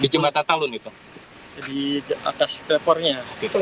di jembatan talun di atas pelepornya